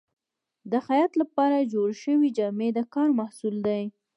د خیاط لپاره جوړې شوې جامې د کار محصول دي.